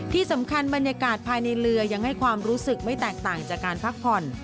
บรรยากาศภายในเรือยังให้ความรู้สึกไม่แตกต่างจากการพักผ่อน